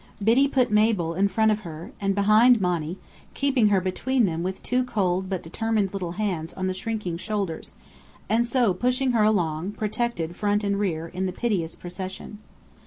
Biddy put Mabel in front of her, and behind Monny, keeping her between them with two cold but determined little hands on the shrinking shoulders, and so pushing her along, protected front and rear, in the piteous procession.